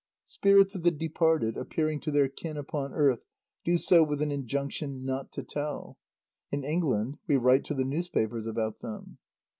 Spirits of the departed appearing to their kin upon earth do so with an injunction "not to tell." (In England we write to the newspapers about them.)